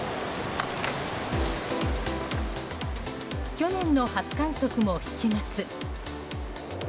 去年の初観測も７月。